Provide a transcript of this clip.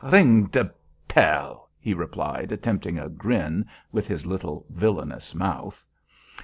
"Ring de pell," he replied, attempting a grin with his little villainous mouth.